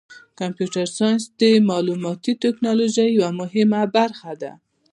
کمپیوټر ساینس د معلوماتي تکنالوژۍ یوه مهمه برخه ده.